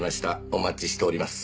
お待ちしております。